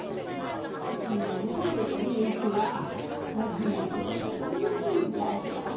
えところでこのうちわわしにはちょっとおおきいんじゃよ。